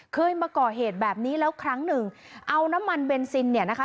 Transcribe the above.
เคยมาก่อเหตุแบบนี้แล้วครั้งหนึ่งเอาน้ำมันเบนซินเนี่ยนะคะ